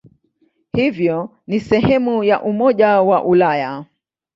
Hivyo ni sehemu ya Umoja wa Ulaya.